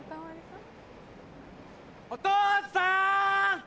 お父さん！